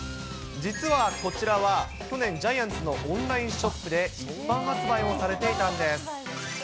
実はこちらは去年、ジャイアンツのオンラインショップで、一般発売もされていたんです。